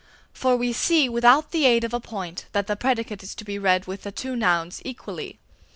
For we see without the aid of a point that the predicate is to be read with the two nouns equally.